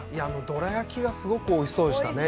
◆どら焼きがすごくおいしそうでしたね。